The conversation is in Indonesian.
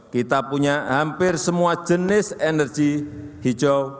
kita punya hampir semua jenis energi hijau